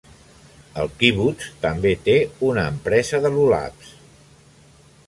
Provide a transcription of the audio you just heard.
El kibbutz també té una empresa de lulavs.